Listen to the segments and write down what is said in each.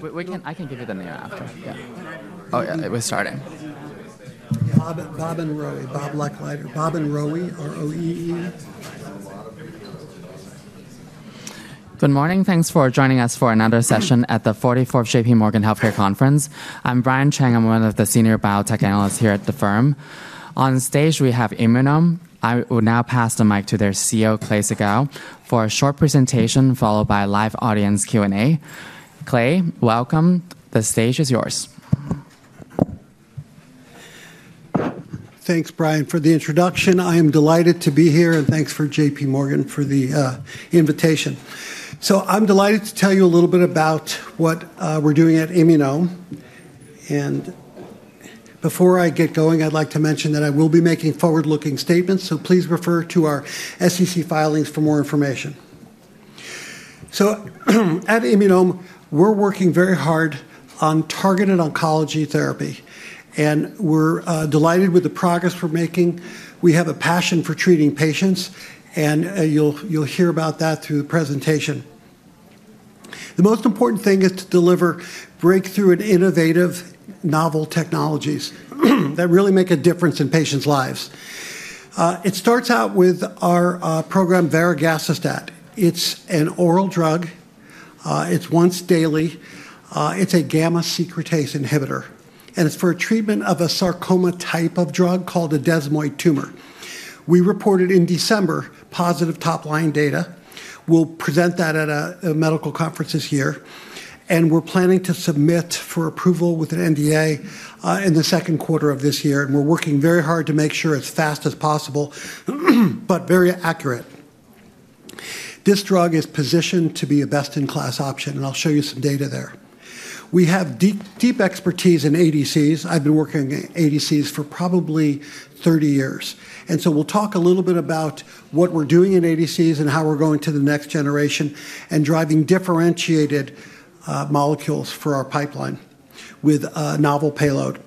Can - I can give you the name after. Yeah. Oh, yeah, we're starting. Bob and Roee. Bob Lechleider. Bob and Roee, R-O-E-E. Good morning. Thanks for joining us for another session at the 44th J.P. Morgan Healthcare Conference. I'm Brian Cheng. I'm one of the senior biotech analysts here at the firm. On stage, we have Immunome. I will now pass the mic to their CEO, Clay Siegall, for a short presentation followed by a live audience Q&A. Clay, welcome. The stage is yours. Thanks, Brian, for the introduction. I am delighted to be here, and thanks to J.P. Morgan for the invitation. So I'm delighted to tell you a little bit about what we're doing at Immunome. And before I get going, I'd like to mention that I will be making forward-looking statements, so please refer to our SEC filings for more information. So at Immunome, we're working very hard on targeted oncology therapy, and we're delighted with the progress we're making. We have a passion for treating patients, and you'll hear about that through the presentation. The most important thing is to deliver breakthrough and innovative novel technologies that really make a difference in patients' lives. It starts out with our program, AL102. It's an oral drug. It's once daily. It's a gamma-secretase inhibitor, and it's for a treatment of a sarcoma type of drug called a desmoid tumor. We reported in December positive top-line data. We'll present that at a medical conference this year, and we're planning to submit for approval with the NDA in the second quarter of this year. And we're working very hard to make sure it's as fast as possible, but very accurate. This drug is positioned to be a best-in-class option, and I'll show you some data there. We have deep expertise in ADCs. I've been working in ADCs for probably 30 years. And so we'll talk a little bit about what we're doing in ADCs and how we're going to the next generation and driving differentiated molecules for our pipeline with a novel payload.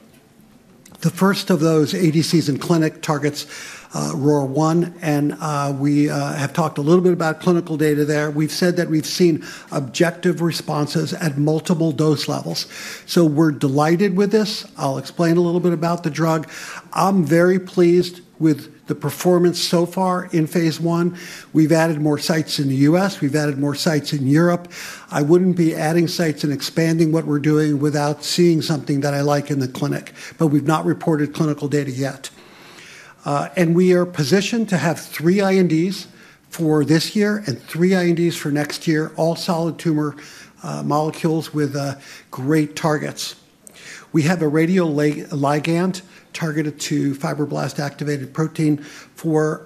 The first of those ADCs in clinic targets ROR1, and we have talked a little bit about clinical data there. We've said that we've seen objective responses at multiple dose levels, so we're delighted with this. I'll explain a little bit about the drug. I'm very pleased with the performance so far in Phase I. We've added more sites in the U.S. We've added more sites in Europe. I wouldn't be adding sites and expanding what we're doing without seeing something that I like in the clinic, but we've not reported clinical data yet, and we are positioned to have three INDs for this year and three INDs for next year, all solid tumor molecules with great targets. We have a radioligand targeted to fibroblast activation protein for,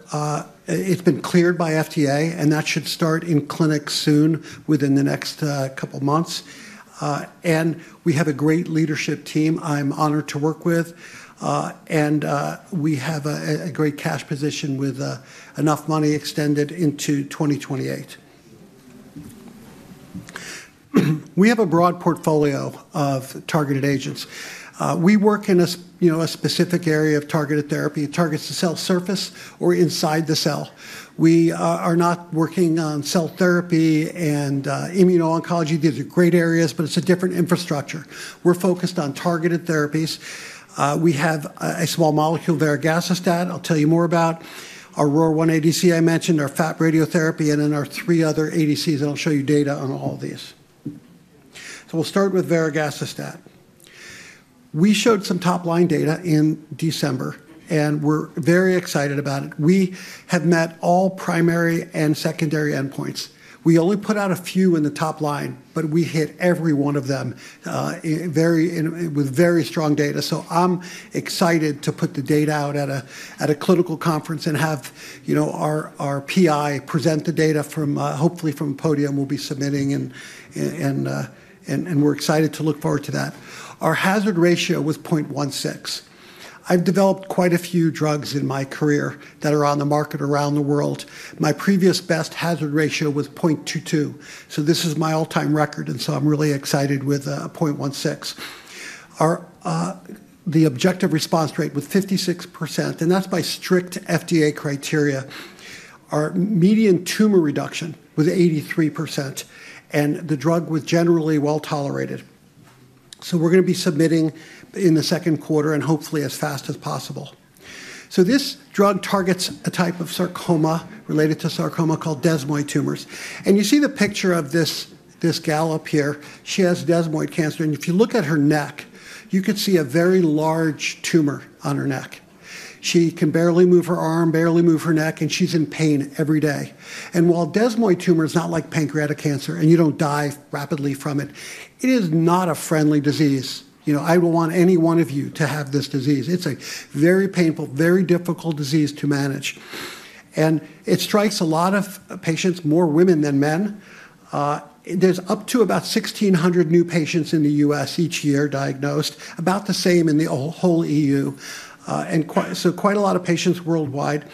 it's been cleared by FDA, and that should start in clinic soon within the next couple of months, and we have a great leadership team I'm honored to work with, and we have a great cash position with enough money extended into 2028. We have a broad portfolio of targeted agents. We work in a specific area of targeted therapy. It targets the cell surface or inside the cell. We are not working on cell therapy and immuno-oncology. These are great areas, but it's a different infrastructure. We're focused on targeted therapies. We have a small molecule, AL102, I'll tell you more about. Our ROR1 ADC I mentioned, our FAP radiotherapy, and then our three other ADCs, and I'll show you data on all these. So we'll start with AL102. We showed some top-line data in December, and we're very excited about it. We have met all primary and secondary endpoints. We only put out a few in the top line, but we hit every one of them with very strong data. So I'm excited to put the data out at a clinical conference and have our PI present the data from-hopefully from a podium we'll be submitting, and we're excited to look forward to that. Our hazard ratio was 0.16. I've developed quite a few drugs in my career that are on the market around the world. My previous best hazard ratio was 0.22, so this is my all-time record, and so I'm really excited with 0.16. The objective response rate was 56%, and that's by strict FDA criteria. Our median tumor reduction was 83%, and the drug was generally well tolerated. So we're going to be submitting in the second quarter and hopefully as fast as possible. So this drug targets a type of sarcoma related to sarcoma called desmoid tumors. And you see the picture of this gal up here. She has desmoid cancer, and if you look at her neck, you can see a very large tumor on her neck. She can barely move her arm, barely move her neck, and she's in pain every day. While desmoid tumor is not like pancreatic cancer, and you don't die rapidly from it, it is not a friendly disease. I don't want any one of you to have this disease. It's a very painful, very difficult disease to manage, and it strikes a lot of patients, more women than men. There's up to about 1,600 new patients in the U.S. each year diagnosed, about the same in the whole E.U., and so quite a lot of patients worldwide.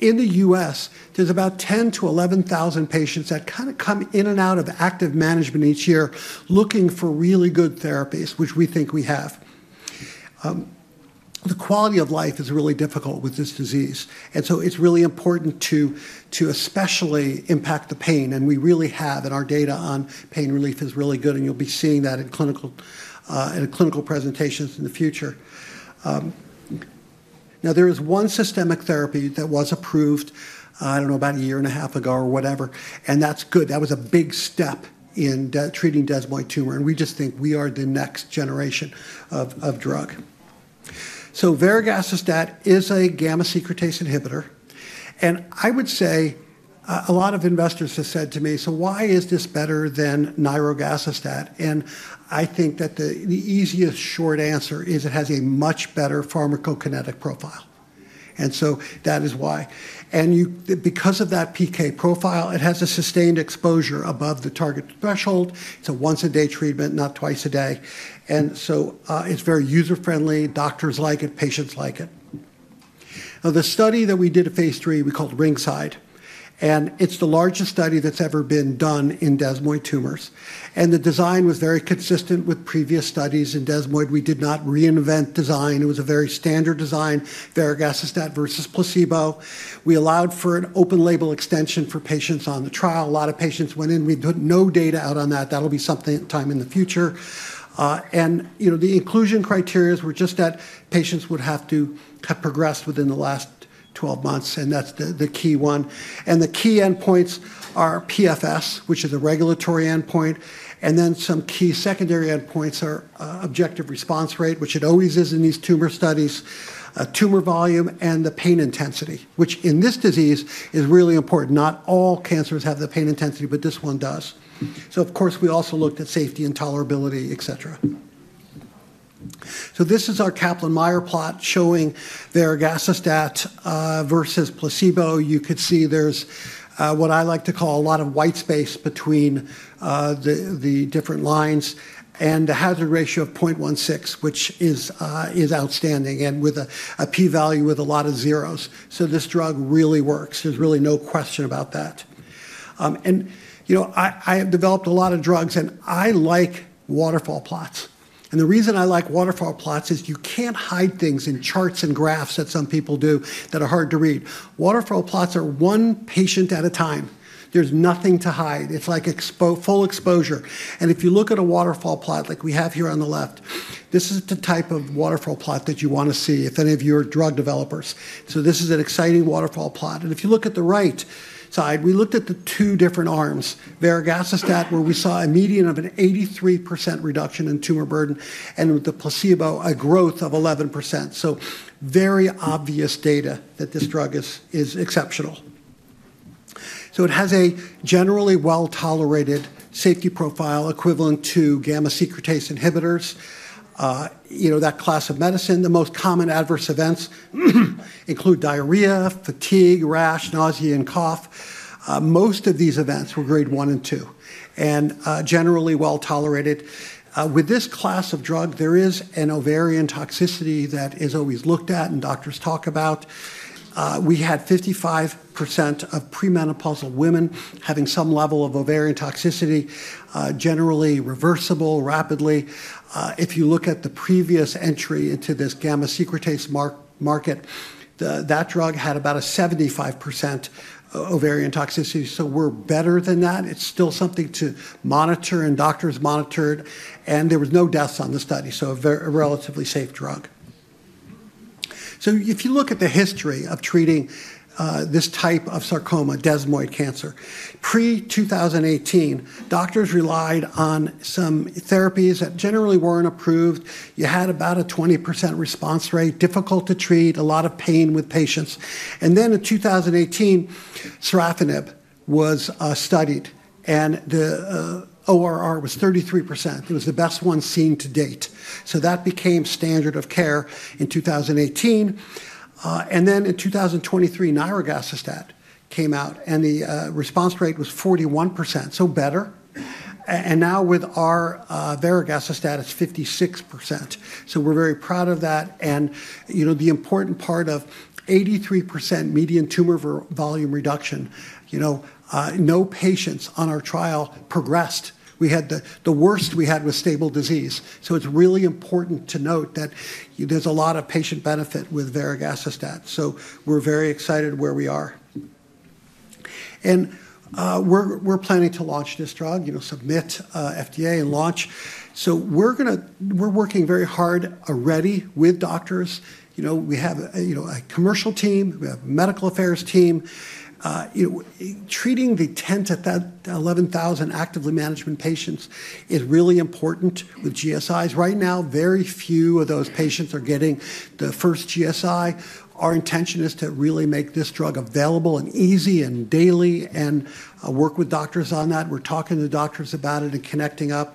In the U.S., there's about 10,000-11,000 patients that kind of come in and out of active management each year looking for really good therapies, which we think we have. The quality of life is really difficult with this disease, and so it's really important to especially impact the pain, and we really have, and our data on pain relief is really good, and you'll be seeing that in clinical presentations in the future. Now, there is one systemic therapy that was approved, I don't know, about a year and a half ago or whatever, and that's good. That was a big step in treating desmoid tumor, and we just think we are the next generation of drug, so AL102 is a gamma-secretase inhibitor, and I would say a lot of investors have said to me, "So why is this better than nirogacestat?" and I think that the easiest short answer is it has a much better pharmacokinetic profile, and so that is why, and because of that PK profile, it has a sustained exposure above the target threshold. It's a once-a-day treatment, not twice a day, and so it's very user-friendly. Doctors like it. Patients like it. Now, the study that we did at Phase III, we called Ringside, and it's the largest study that's ever been done in desmoid tumors, and the design was very consistent with previous studies in desmoid. We did not reinvent design. It was a very standard design, AL102 versus placebo. We allowed for an open-label extension for patients on the trial. A lot of patients went in. We took no data out on that. That'll be something time in the future, and the inclusion criteria were just that patients would have to have progressed within the last 12 months, and that's the key one. The key endpoints are PFS, which is a regulatory endpoint, and then some key secondary endpoints are objective response rate, which it always is in these tumor studies, tumor volume, and the pain intensity, which in this disease is really important. Not all cancers have the pain intensity, but this one does. Of course, we also looked at safety and tolerability, etc. This is our Kaplan-Meier plot showing AL102 versus placebo. You could see there's what I like to call a lot of white space between the different lines and the hazard ratio of 0.16, which is outstanding and with a p-value with a lot of zeros. This drug really works. There's really no question about that. I have developed a lot of drugs, and I like waterfall plots. The reason I like waterfall plots is you can't hide things in charts and graphs that some people do that are hard to read. Waterfall plots are one patient at a time. There's nothing to hide. It's like full exposure. If you look at a waterfall plot like we have here on the left, this is the type of waterfall plot that you want to see if any of you are drug developers. This is an exciting waterfall plot. If you look at the right side, we looked at the two different arms, AL102, where we saw a median of an 83% reduction in tumor burden, and with the placebo, a growth of 11%. Very obvious data that this drug is exceptional. It has a generally well-tolerated safety profile equivalent to gamma-secretase inhibitors, that class of medicine. The most common adverse events include diarrhea, fatigue, rash, nausea, and cough. Most of these events were grade one and two and generally well tolerated. With this class of drug, there is an ovarian toxicity that is always looked at and doctors talk about. We had 55% of premenopausal women having some level of ovarian toxicity, generally reversible rapidly. If you look at the previous entry into this gamma-secretase market, that drug had about a 75% ovarian toxicity. So we're better than that. It's still something to monitor, and doctors monitored, and there were no deaths on the study, so a relatively safe drug. So if you look at the history of treating this type of sarcoma, desmoid cancer, pre-2018, doctors relied on some therapies that generally weren't approved. You had about a 20% response rate, difficult to treat, a lot of pain with patients. And then in 2018, sorafenib was studied, and the ORR was 33%. It was the best one seen to date. So that became standard of care in 2018. And then in 2023, nirogacestat came out, and the response rate was 41%, so better. And now with our AL102, it's 56%. So we're very proud of that. And the important part of 83% median tumor volume reduction, no patients on our trial progressed. The worst we had was stable disease. So it's really important to note that there's a lot of patient benefit with AL102. So we're very excited where we are. And we're planning to launch this drug, submit FDA and launch. So we're working very hard already with doctors. We have a commercial team. We have a medical affairs team. Treating the 10-11,000 actively managed patients is really important with GSIs. Right now, very few of those patients are getting the first GSI. Our intention is to really make this drug available and easy and daily and work with doctors on that. We're talking to doctors about it and connecting up,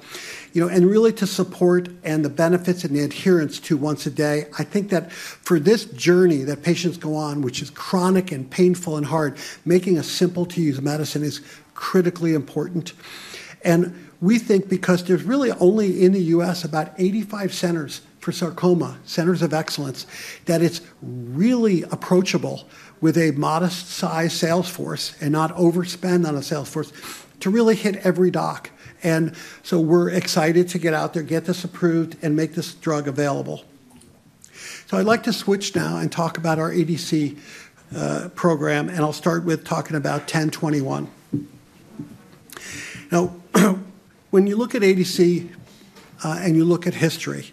and really to support and the benefits and the adherence to once a day. I think that for this journey that patients go on, which is chronic and painful and hard, making a simple-to-use medicine is critically important, and we think because there's really only in the U.S. about 85 centers for sarcoma, centers of excellence, that it's really approachable with a modest-sized sales force and not overspend on a sales force to really hit every doc, so we're excited to get out there, get this approved, and make this drug available. So I'd like to switch now and talk about our ADC program, and I'll start with talking about IM-1021. Now, when you look at ADC and you look at history,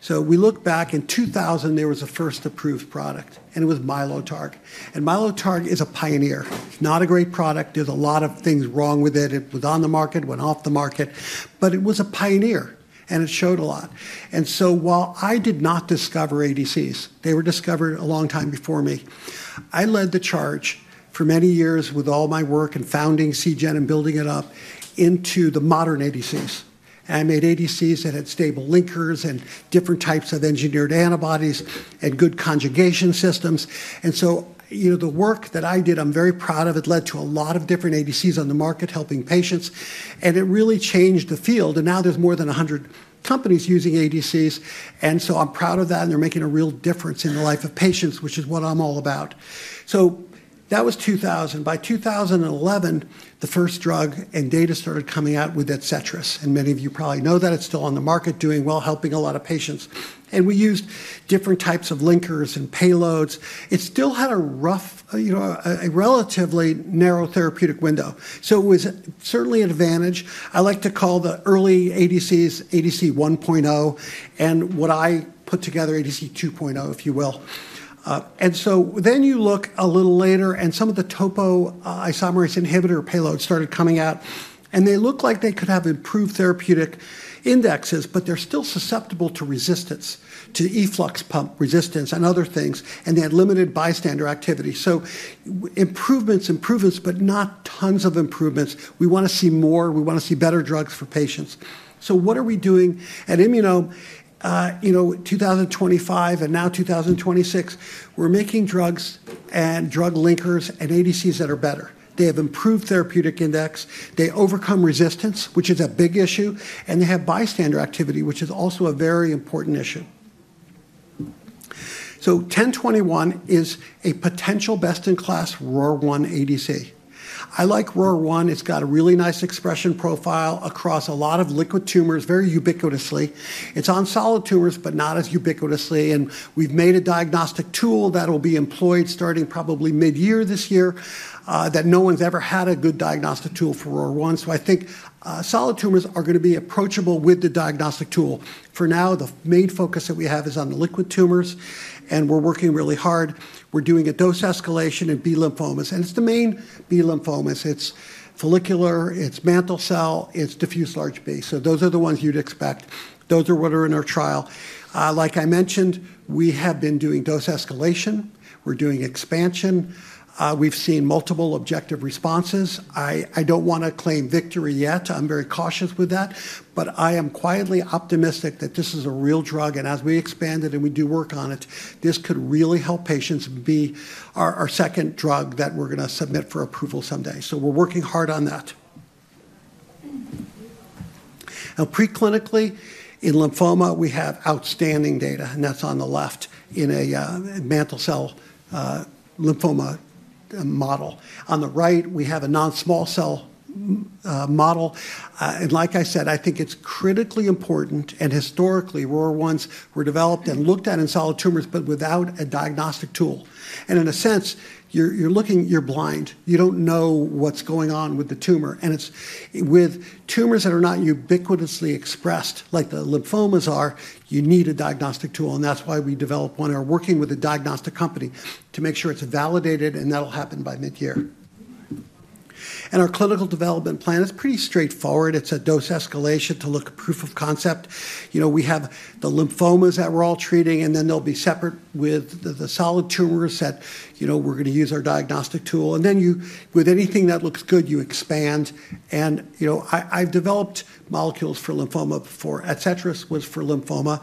so we look back in 2000, there was a first approved product, and it was Mylotarg. And Mylotarg is a pioneer. It's not a great product. There's a lot of things wrong with it. It was on the market, went off the market, but it was a pioneer, and it showed a lot. And so while I did not discover ADCs, they were discovered a long time before me. I led the charge for many years with all my work and founding Seagen and building it up into the modern ADCs. And I made ADCs that had stable linkers and different types of engineered antibodies and good conjugation systems. And so the work that I did, I'm very proud of, it led to a lot of different ADCs on the market helping patients, and it really changed the field. And now there's more than 100 companies using ADCs, and so I'm proud of that, and they're making a real difference in the life of patients, which is what I'm all about. So that was 2000. By 2011, the first drug and data started coming out with Adcetris, and many of you probably know that. It's still on the market, doing well, helping a lot of patients. And we used different types of linkers and payloads. It still had a relatively narrow therapeutic window, so it was certainly an advantage. I like to call the early ADCs ADC 1.0 and what I put together ADC 2.0, if you will. And so then you look a little later, and some of the topoisomerase inhibitor payloads started coming out, and they look like they could have improved therapeutic indexes, but they're still susceptible to resistance, to efflux pump resistance and other things, and they had limited bystander activity. So improvements, improvements, but not tons of improvements. We want to see more. We want to see better drugs for patients. So what are we doing at Immunome? 2025 and now 2026, we're making drugs and drug linkers and ADCs that are better. They have improved therapeutic index. They overcome resistance, which is a big issue, and they have bystander activity, which is also a very important issue. So IM-1021 is a potential best-in-class ROR1 ADC. I like ROR1. It's got a really nice expression profile across a lot of liquid tumors, very ubiquitously. It's on solid tumors, but not as ubiquitously, and we've made a diagnostic tool that will be employed starting probably mid-year this year that no one's ever had a good diagnostic tool for ROR1. So I think solid tumors are going to be approachable with the diagnostic tool. For now, the main focus that we have is on the liquid tumors, and we're working really hard. We're doing a dose escalation in B lymphomas, and it's the main B lymphomas. It's follicular, it's mantle cell, it's diffuse large B. So those are the ones you'd expect. Those are what are in our trial. Like I mentioned, we have been doing dose escalation. We're doing expansion. We've seen multiple objective responses. I don't want to claim victory yet. I'm very cautious with that, but I am quietly optimistic that this is a real drug, and as we expand it and we do work on it, this could really help patients be our second drug that we're going to submit for approval someday. So we're working hard on that. Now, preclinically in lymphoma, we have outstanding data, and that's on the left in a mantle cell lymphoma model. On the right, we have a non-small cell model. And like I said, I think it's critically important, and historically, ROR1s were developed and looked at in solid tumors, but without a diagnostic tool. And in a sense, you're looking, you're blind. You don't know what's going on with the tumor. And with tumors that are not ubiquitously expressed like the lymphomas are, you need a diagnostic tool, and that's why we developed one. We're working with a diagnostic company to make sure it's validated, and that'll happen by mid-year. And our clinical development plan is pretty straightforward. It's a dose escalation to look at proof of concept. We have the lymphomas that we're all treating, and then they'll be separate with the solid tumors that we're going to use our diagnostic tool. And then with anything that looks good, you expand. And I've developed molecules for lymphoma. Adcetris was for lymphoma.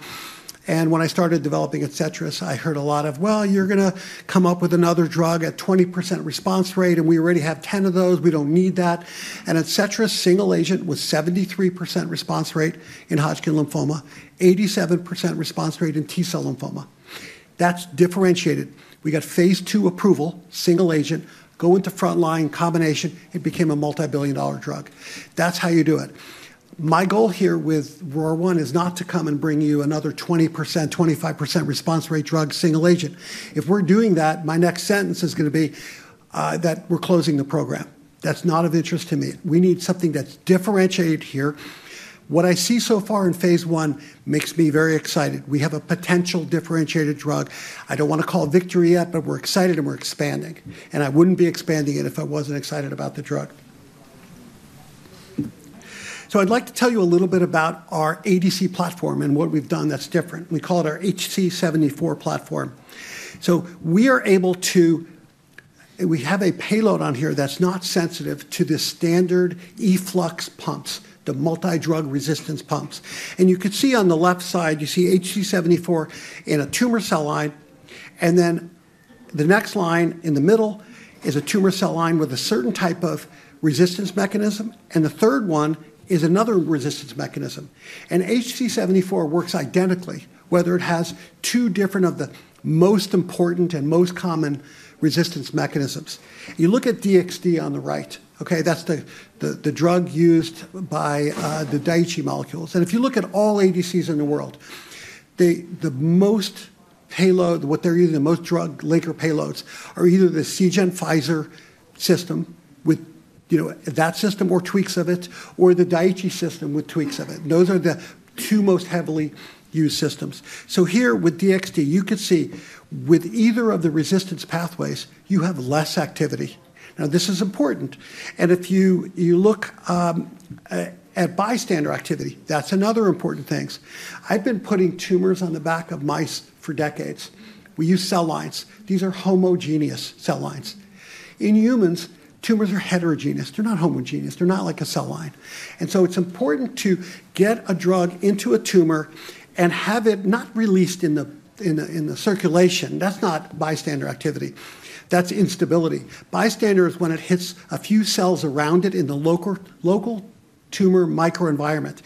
And when I started developing Adcetris, I heard a lot of, "Well, you're going to come up with another drug at 20% response rate, and we already have 10 of those. We don't need that." And Adcetris, single agent with 73% response rate in Hodgkin lymphoma, 87% response rate in T-cell lymphoma. That's differentiated. We got Phase II approval, single agent, go into frontline combination. It became a multi-billion dollar drug. That's how you do it. My goal here with ROR1 is not to come and bring you another 20%-25% response rate drug, single agent. If we're doing that, my next sentence is going to be that we're closing the program. That's not of interest to me. We need something that's differentiated here. What I see so far in Phase II makes me very excited. We have a potential differentiated drug. I don't want to call it victory yet, but we're excited and we're expanding. And I wouldn't be expanding it if I wasn't excited about the drug. So I'd like to tell you a little bit about our ADC platform and what we've done that's different. We call it our HC74 platform. So we are able to, we have a payload on here that's not sensitive to the standard efflux pumps, the multi-drug resistance pumps. You could see on the left side, you see HC74 in a tumor cell line, and then the next line in the middle is a tumor cell line with a certain type of resistance mechanism, and the third one is another resistance mechanism. HC74 works identically, whether it has two different of the most important and most common resistance mechanisms. You look at DXd on the right, okay? That's the drug used by the Daiichi molecules. If you look at all ADCs in the world, the most payload, what they're using, the most drug linker payloads are either the Seagen-Pfizer system with that system or tweaks of it, or the Daiichi system with tweaks of it. Those are the two most heavily used systems. Here with DXd, you could see with either of the resistance pathways, you have less activity. Now, this is important. If you look at bystander activity, that's another important thing. I've been putting tumors on the back of mice for decades. We use cell lines. These are homogeneous cell lines. In humans, tumors are heterogeneous. They're not homogeneous. They're not like a cell line. And so it's important to get a drug into a tumor and have it not released in the circulation. That's not bystander activity. That's instability. Bystander is when it hits a few cells around it in the local tumor microenvironment.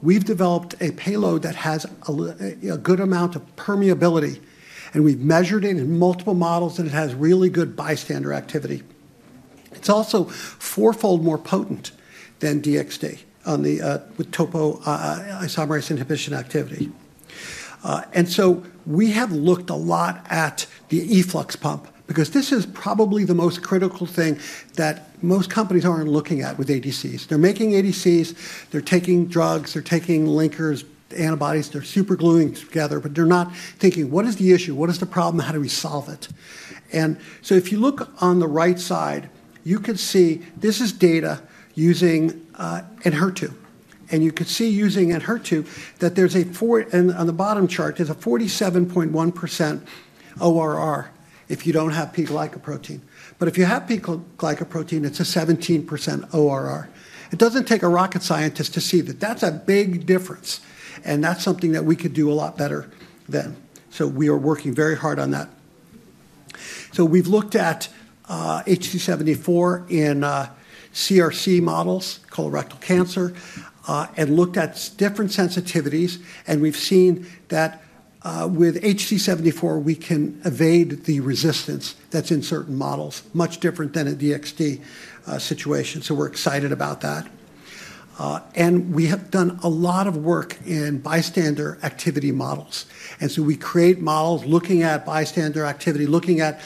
We've developed a payload that has a good amount of permeability, and we've measured it in multiple models, and it has really good bystander activity. It's also four-fold more potent than DXd with topoisomerase inhibition activity. And so we have looked a lot at the efflux pump because this is probably the most critical thing that most companies aren't looking at with ADCs. They're making ADCs. They're taking drugs. They're taking linkers, antibodies. They're super gluing together, but they're not thinking, "What is the issue? What is the problem? How do we solve it?" and so if you look on the right side, you could see this is data using Enhertu, and you could see using Enhertu that there's, and on the bottom chart, there's a 47.1% ORR if you don't have P-glycoprotein, but if you have P-glycoprotein, it's a 17% ORR. It doesn't take a rocket scientist to see that. That's a big difference, and that's something that we could do a lot better than, so we are working very hard on that, so we've looked at HC74 in CRC models, colorectal cancer, and looked at different sensitivities, and we've seen that with HC74, we can evade the resistance that's in certain models, much different than a DXd situation. So we're excited about that. And we have done a lot of work in bystander activity models. And so we create models looking at bystander activity, looking at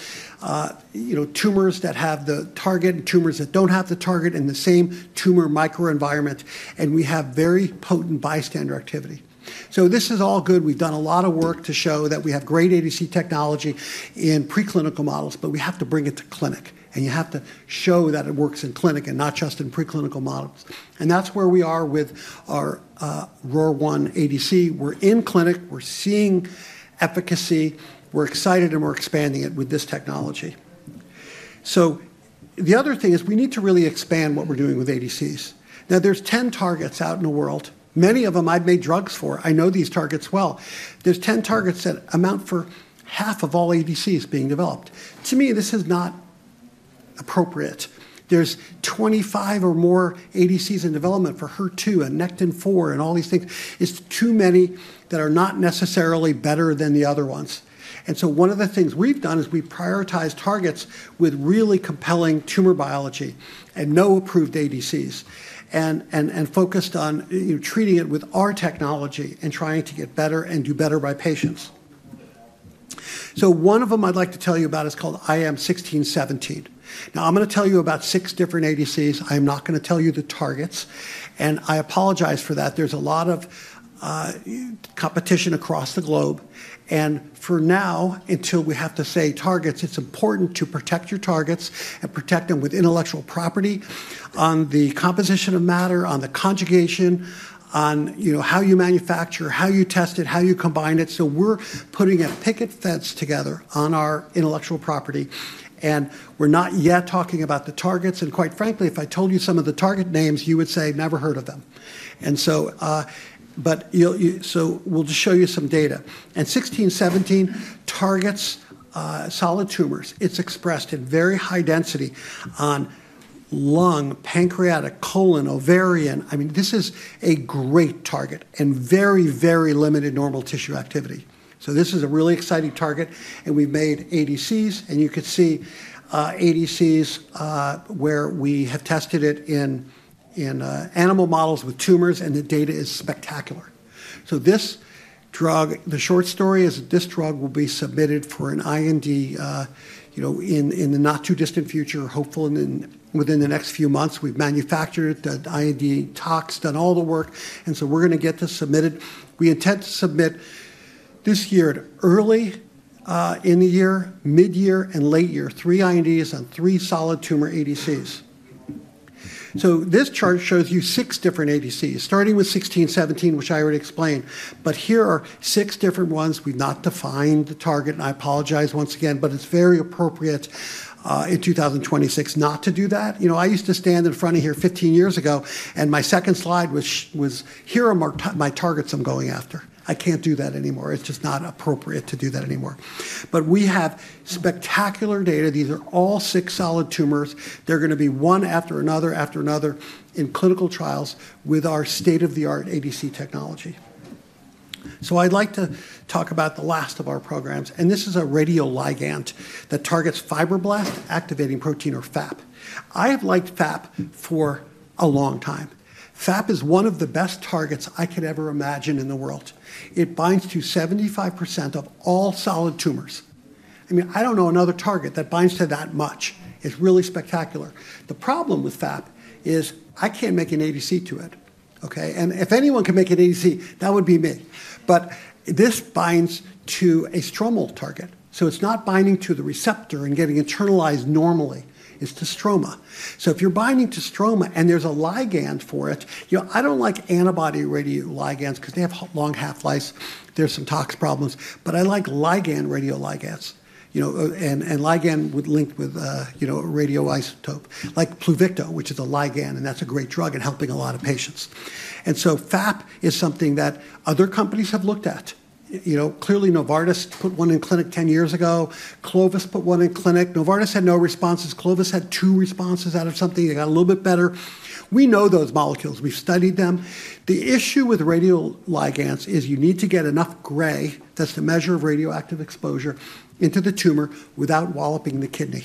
tumors that have the target and tumors that don't have the target in the same tumor microenvironment, and we have very potent bystander activity. So this is all good. We've done a lot of work to show that we have great ADC technology in preclinical models, but we have to bring it to clinic, and you have to show that it works in clinic and not just in preclinical models. And that's where we are with our ROR1 ADC. We're in clinic. We're seeing efficacy. We're excited, and we're expanding it with this technology. So the other thing is we need to really expand what we're doing with ADCs. Now, there's 10 targets out in the world. Many of them I've made drugs for. I know these targets well. There's 10 targets that amount for half of all ADCs being developed. To me, this is not appropriate. There's 25 or more ADCs in development for HER2 and Nectin-4 and all these things. It's too many that are not necessarily better than the other ones. And so one of the things we've done is we've prioritized targets with really compelling tumor biology and no approved ADCs and focused on treating it with our technology and trying to get better and do better by patients. So one of them I'd like to tell you about is called IM-1617. Now, I'm going to tell you about six different ADCs. I am not going to tell you the targets, and I apologize for that. There's a lot of competition across the globe. For now, until we have to say targets, it's important to protect your targets and protect them with intellectual property on the composition of matter, on the conjugation, on how you manufacture, how you test it, how you combine it. We're putting a picket fence together on our intellectual property, and we're not yet talking about the targets. Quite frankly, if I told you some of the target names, you would say, "Never heard of them." We'll just show you some data. IM-1617 targets solid tumors. It's expressed in very high density on lung, pancreatic, colon, ovarian. I mean, this is a great target and very, very limited normal tissue activity. This is a really exciting target, and we've made ADCs, and you could see ADCs where we have tested it in animal models with tumors, and the data is spectacular. So this drug, the short story is this drug will be submitted for an IND in the not too distant future, hopefully within the next few months. We've manufactured the IND tox, done all the work, and so we're going to get this submitted. We intend to submit this year early in the year, mid-year, and late year, three INDs and three solid tumor ADCs. So this chart shows you six different ADCs, starting with 1617, which I already explained, but here are six different ones. We've not defined the target, and I apologize once again, but it's very appropriate in 2026 not to do that. I used to stand in front of here 15 years ago, and my second slide was, "Here are my targets I'm going after." I can't do that anymore. It's just not appropriate to do that anymore. But we have spectacular data. These are all six solid tumors. They're going to be one after another after another in clinical trials with our state-of-the-art ADC technology, so I'd like to talk about the last of our programs, and this is a radioligand that targets fibroblast activation protein or FAP. I have liked FAP for a long time. FAP is one of the best targets I could ever imagine in the world. It binds to 75% of all solid tumors. I mean, I don't know another target that binds to that much. It's really spectacular. The problem with FAP is I can't make an ADC to it, okay, and if anyone can make an ADC, that would be me, but this binds to a stromal target, so it's not binding to the receptor and getting internalized normally. It's to stroma. If you're binding to stroma, and there's a ligand for it, I don't like antibody radioligands because they have long half-lives. There's some tox problems, but I like ligand radioligands, and ligand would link with radioisotope like Pluvicto, which is a ligand, and that's a great drug in helping a lot of patients. FAP is something that other companies have looked at. Clearly, Novartis put one in clinic 10 years ago. Clovis put one in clinic. Novartis had no responses. Clovis had two responses out of something. They got a little bit better. We know those molecules. We've studied them. The issue with radioligands is you need to get enough gray that's the measure of radioactive exposure into the tumor without walloping the kidney.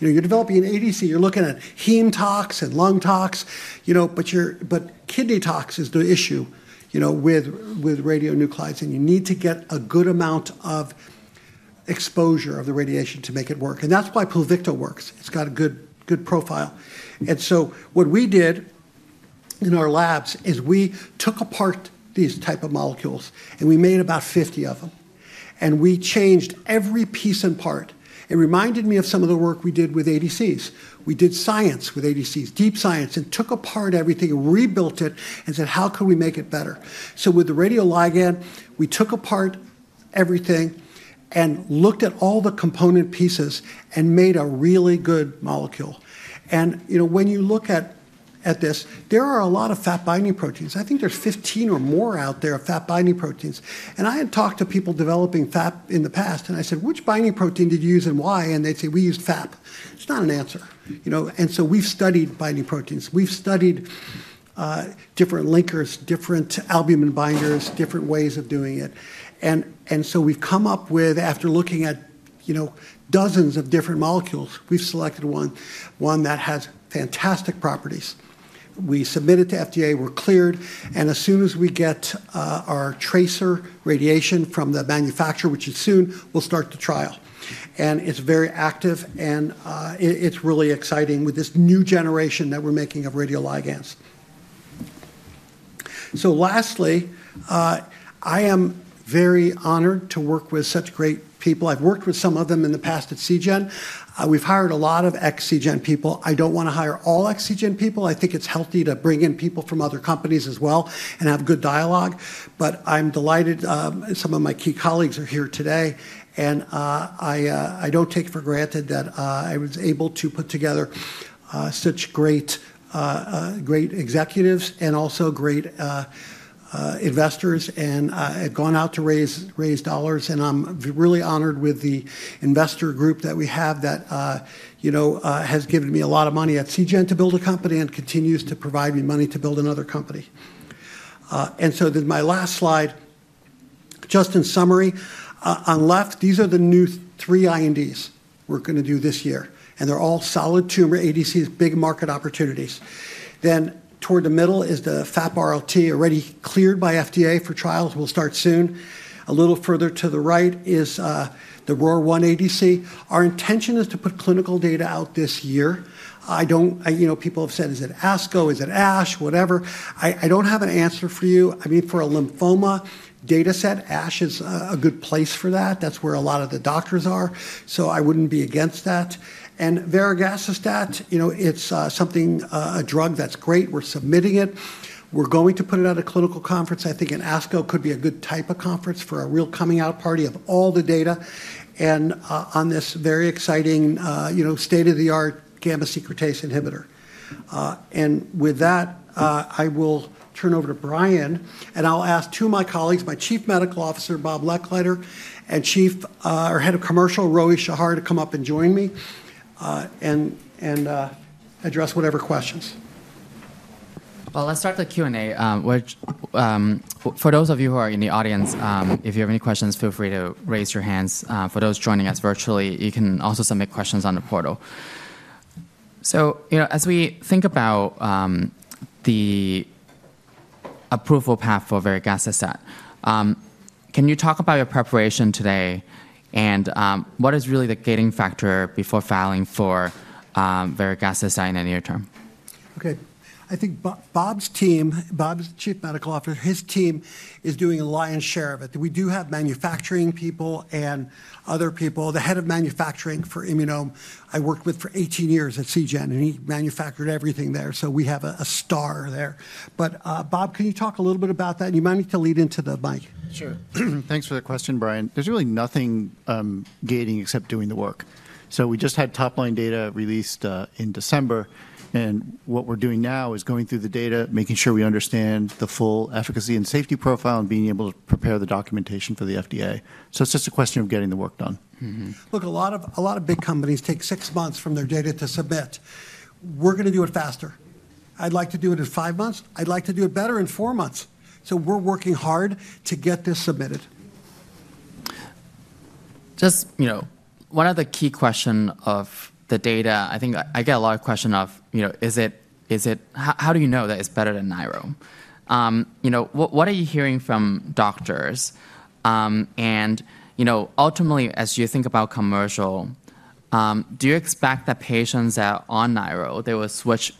You're developing an ADC. You're looking at heme tox and lung tox, but kidney tox is the issue with radionuclides, and you need to get a good amount of exposure of the radiation to make it work. And that's why Pluvicto works. It's got a good profile. And so what we did in our labs is we took apart these types of molecules, and we made about 50 of them, and we changed every piece and part. It reminded me of some of the work we did with ADCs. We did science with ADCs, deep science, and took apart everything and rebuilt it and said, "How can we make it better?" So with the radioligand, we took apart everything and looked at all the component pieces and made a really good molecule. And when you look at this, there are a lot of FAP binding proteins. I think there's 15 or more out there of FAP binding proteins. And I had talked to people developing FAP in the past, and I said, "Which binding protein did you use and why?" And they'd say, "We used FAP." It's not an answer. And so we've studied binding proteins. We've studied different linkers, different albumin binders, different ways of doing it. And so we've come up with, after looking at dozens of different molecules, we've selected one, one that has fantastic properties. We submit it to FDA. We're cleared, and as soon as we get our tracer radiation from the manufacturer, which is soon, we'll start the trial. And it's very active, and it's really exciting with this new generation that we're making of radioligands. So lastly, I am very honored to work with such great people. I've worked with some of them in the past at Seagen. We've hired a lot of ex-Seagen people. I don't want to hire all ex-Seagen people. I think it's healthy to bring in people from other companies as well and have good dialogue. But I'm delighted some of my key colleagues are here today, and I don't take for granted that I was able to put together such great executives and also great investors and have gone out to raise dollars. And I'm really honored with the investor group that we have that has given me a lot of money at Seagen to build a company and continues to provide me money to build another company. And so then my last slide, just in summary, on left, these are the new three INDs we're going to do this year, and they're all solid tumor ADCs, big market opportunities. Then toward the middle is the FAP RLT, already cleared by FDA for trials. We'll start soon. A little further to the right is the ROR1 ADC. Our intention is to put clinical data out this year. People have said, "Is it ASCO? Is it ASH? Whatever." I don't have an answer for you. I mean, for a lymphoma data set, ASH is a good place for that. That's where a lot of the doctors are, so I wouldn't be against that. And AL102, it's something, a drug that's great. We're submitting it. We're going to put it at a clinical conference. I think an ASCO could be a good type of conference for a real coming out party of all the data and on this very exciting state-of-the-art gamma secretase inhibitor. With that, I will turn over to Brian, and I'll ask two of my colleagues, my Chief Medical Officer, Bob Lechleider, and chief or head of commercial, Roee Shaviv, to come up and join me and address whatever questions. Let's start the Q&A. For those of you who are in the audience, if you have any questions, feel free to raise your hands. For those joining us virtually, you can also submit questions on the portal. As we think about the approval path for AL102, can you talk about your preparation today and what is really the gating factor before filing for AL102 in the near term? Okay. I think Bob's team, Bob's Chief Medical Officer, his team is doing a lion's share of it. We do have manufacturing people and other people. The head of manufacturing for Immunome, I worked with for 18 years at Seagen, and he manufactured everything there, so we have a star there. But Bob, can you talk a little bit about that? You might need to lean into the mic. Sure. Thanks for the question, Brian. There's really nothing gating except doing the work. So we just had top-line data released in December, and what we're doing now is going through the data, making sure we understand the full efficacy and safety profile and being able to prepare the documentation for the FDA. So it's just a question of getting the work done. Look, a lot of big companies take six months from their data to submit. We're going to do it faster. I'd like to do it in five months. I'd like to do it better in four months. So we're working hard to get this submitted. Just one of the key questions of the data, I think I get a lot of questions of, how do you know that it's better than nirogacestat? What are you hearing from doctors? And ultimately, as you think about commercial, do you expect that patients that are on nirogacestat, they will switch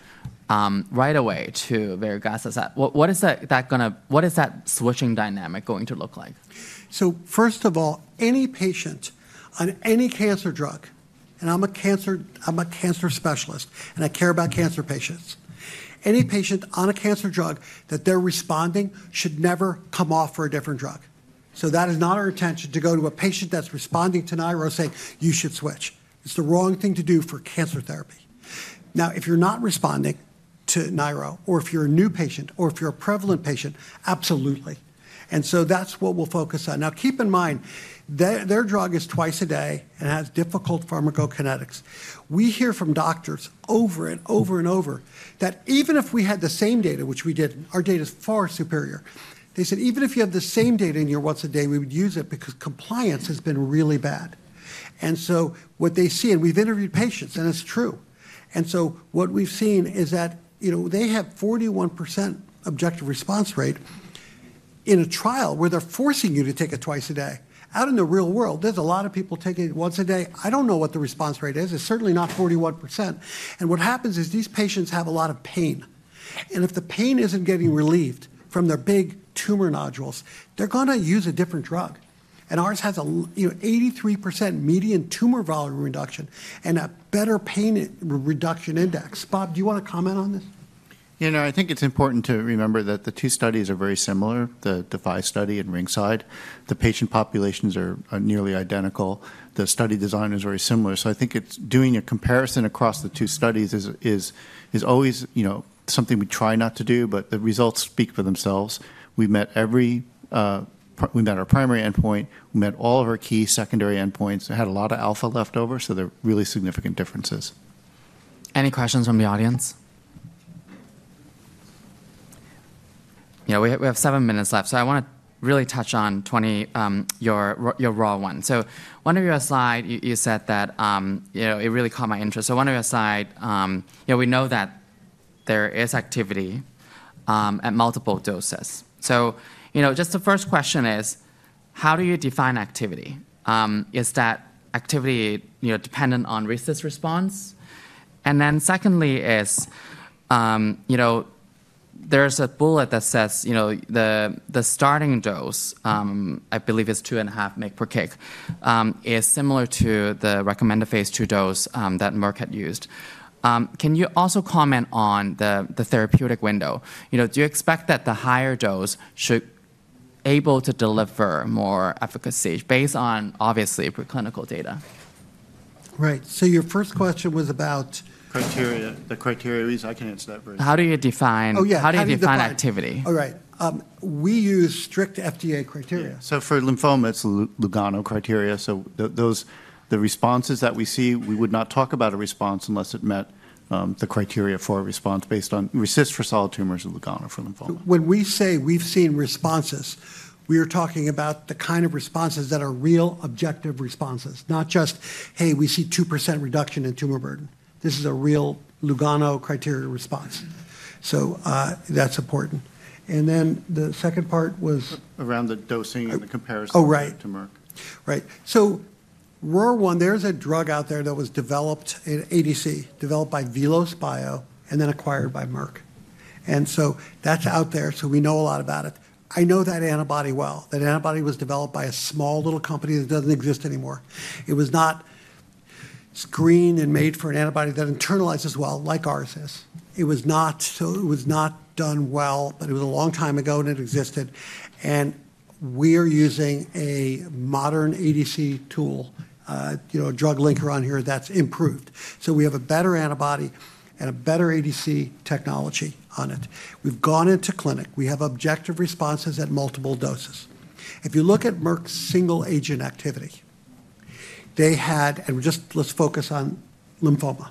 right away to AL102? What is that switching dynamic going to look like? So first of all, any patient on any cancer drug, and I'm a cancer specialist, and I care about cancer patients, any patient on a cancer drug that they're responding should never come off for a different drug. So that is not our intention to go to a patient that's responding to nirogacestat saying, "You should switch." It's the wrong thing to do for cancer therapy. Now, if you're not responding to nirogacestat, or if you're a new patient, or if you're a prevalent patient, absolutely. And so that's what we'll focus on. Now, keep in mind, their drug is twice a day and has difficult pharmacokinetics. We hear from doctors over and over that even if we had the same data, which we didn't, our data is far superior. They said, "Even if you have the same data in your once a day, we would use it because compliance has been really bad." And so what they see, and we've interviewed patients, and it's true. And so what we've seen is that they have 41% objective response rate in a trial where they're forcing you to take it twice a day. Out in the real world, there's a lot of people taking it once a day. I don't know what the response rate is. It's certainly not 41%. And what happens is these patients have a lot of pain. And if the pain isn't getting relieved from their big tumor nodules, they're going to use a different drug. And ours has an 83% median tumor volume reduction and a better pain reduction index. Bob, do you want to comment on this? Yeah, no, I think it's important to remember that the two studies are very similar, the DeFi study and Ringside. The patient populations are nearly identical. The study design is very similar. So I think doing a comparison across the two studies is always something we try not to do, but the results speak for themselves. We met our primary endpoint. We met all of our key secondary endpoints. It had a lot of alpha left over, so there are really significant differences. Any questions from the audience? Yeah, we have seven minutes left, so I want to really touch on your ROR1. So one of your slides, you said that it really caught my interest. So one of your slides, we know that there is activity at multiple doses. So just the first question is, how do you define activity? Is that activity dependent on RECIST response? And then secondly is there's a bullet that says the starting dose, I believe it's 2.5 mg/kg, is similar to the recommended Phase II dose that Merck had used. Can you also comment on the therapeutic window? Do you expect that the higher dose should be able to deliver more efficacy based on, obviously, preclinical data? Right. So your first question was about. Criteria, the criteria, at least I can answer that very well. How do you define activity? Oh, yeah. How do you define activity? All right. We use strict FDA criteria. For lymphoma, it's Lugano criteria. The responses that we see, we would not talk about a response unless it met the criteria for a response based on RECIST for solid tumors or Lugano for lymphoma. When we say we've seen responses, we are talking about the kind of responses that are real objective responses, not just, "Hey, we see 2% reduction in tumor burden." This is a real Lugano criteria response. So that's important. And then the second part was. Around the dosing and the comparison to Merck. Right. So ROR1, there's a drug out there that was developed in ADC, developed by VelosBio, and then acquired by Merck. And so that's out there, so we know a lot about it. I know that antibody well. That antibody was developed by a small little company that doesn't exist anymore. It was not screened and made for an antibody that internalizes well like ours is. It was not done well, but it was a long time ago, and it existed. And we are using a modern ADC tool, a drug linker on here that's improved. So we have a better antibody and a better ADC technology on it. We've gone into clinic. We have objective responses at multiple doses. If you look at Merck's single agent activity, they had, and just let's focus on lymphoma,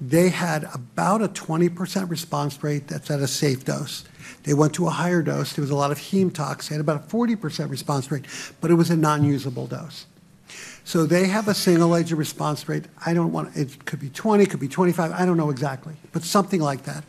they had about a 20% response rate that's at a safe dose. They went to a higher dose. There was a lot of heme tox. They had about a 40% response rate, but it was a non-usable dose. So they have a single agent response rate. I don't want to, it could be 20%, it could be 25%. I don't know exactly, but something like that.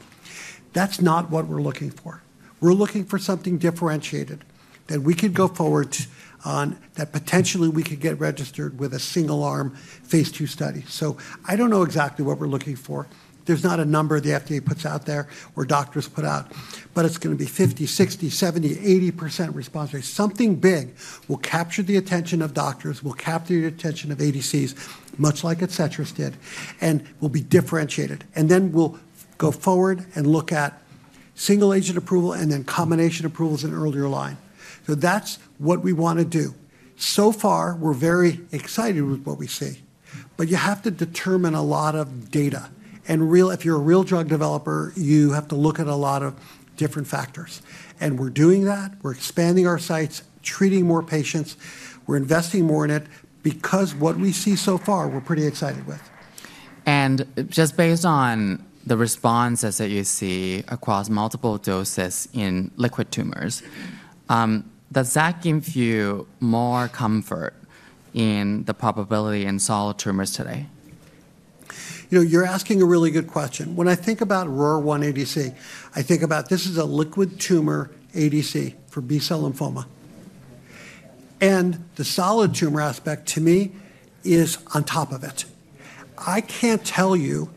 That's not what we're looking for. We're looking for something differentiated that we could go forward on that potentially we could get registered with a single arm Phase II study. So I don't know exactly what we're looking for. There's not a number the FDA puts out there or doctors put out, but it's going to be 50%, 60%, 70%, 80% response rate. Something big will capture the attention of doctors, will capture the attention of ADCs, much like Adcetris did, and will be differentiated. And then we'll go forward and look at single agent approval and then combination approvals in earlier line. So that's what we want to do. So far, we're very excited with what we see, but you have to determine a lot of data. And if you're a real drug developer, you have to look at a lot of different factors. And we're doing that. We're expanding our sites, treating more patients. We're investing more in it because what we see so far, we're pretty excited with. Just based on the responses that you see across multiple doses in liquid tumors, does that give you more comfort in the probability in solid tumors today? You're asking a really good question. When I think about ROR1 ADC, I think about this is a liquid tumor ADC for B-cell lymphoma, and the solid tumor aspect to me is on top of it. I can't tell you,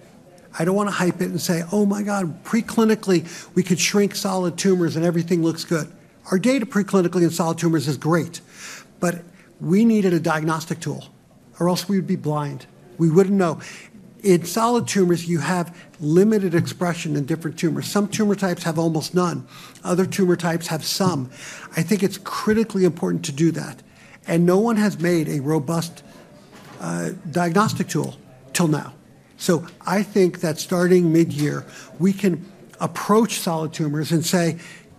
I don't want to hype it and say, "Oh my God, preclinically, we could shrink solid tumors and everything looks good." Our data preclinically in solid tumors is great, but we needed a diagnostic tool, or else we would be blind. We wouldn't know. In solid tumors, you have limited expression in different tumors. Some tumor types have almost none. Other tumor types have some. I think it's critically important to do that, and no one has made a robust diagnostic tool till now. So I think that starting mid-year, we can approach solid tumors and say,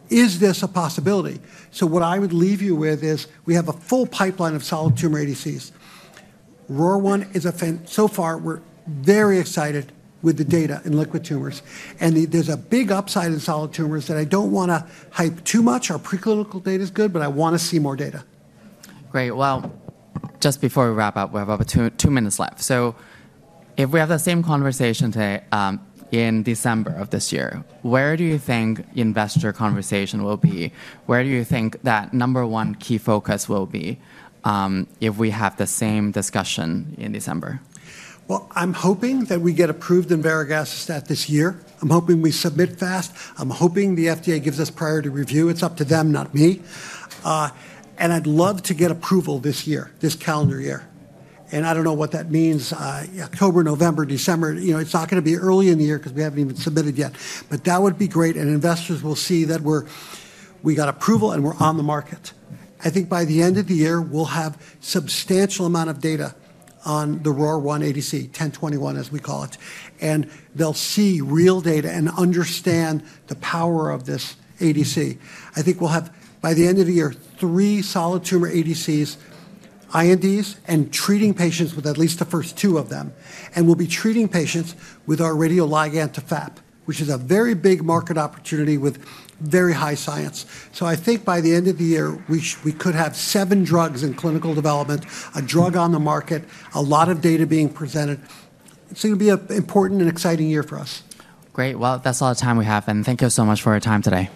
"Is this a possibility?" So what I would leave you with is we have a full pipeline of solid tumor ADCs. ROR1 is a fan. So far, we're very excited with the data in liquid tumors. And there's a big upside in solid tumors that I don't want to hype too much. Our preclinical data is good, but I want to see more data. Great. Well, just before we wrap up, we have about two minutes left. So if we have the same conversation today in December of this year, where do you think investor conversation will be? Where do you think that number one key focus will be if we have the same discussion in December? Well, I'm hoping that we get approved in AL102 this year. I'm hoping we submit fast. I'm hoping the FDA gives us priority review. It's up to them, not me. And I'd love to get approval this year, this calendar year. And I don't know what that means, October, November, December. It's not going to be early in the year because we haven't even submitted yet. But that would be great. And investors will see that we got approval and we're on the market. I think by the end of the year, we'll have a substantial amount of data on the ROR1 ADC, IM-1021 as we call it. And they'll see real data and understand the power of this ADC. I think we'll have, by the end of the year, three solid tumor ADCs, INDs, and treating patients with at least the first two of them. And we'll be treating patients with our radioligand to FAP, which is a very big market opportunity with very high science. So I think by the end of the year, we could have seven drugs in clinical development, a drug on the market, a lot of data being presented. It's going to be an important and exciting year for us. Great. Well, that's all the time we have, and thank you so much for your time today.